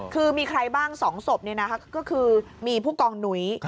คือมีใครบ้าง๒ศพก็คือมีผู้กองหนุ้ย